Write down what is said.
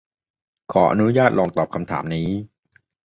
ขออนุญาตลองตอบคำถามนี้